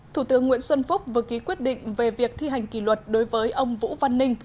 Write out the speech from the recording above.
thủ tướng nguyễn xuân phúc vừa ký quyết định về việc thi hành kỷ luật đối với ông vũ văn ninh